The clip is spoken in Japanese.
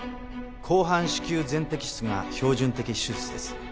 広汎子宮全摘出が標準的手術です。